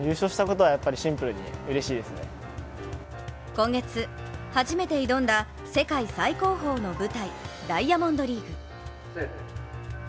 今月、初めて挑んだ世界最高峰の舞台ダイヤモンドリーグ。